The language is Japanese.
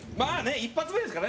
１発目ですからね